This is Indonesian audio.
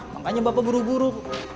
makanya bapak buru buru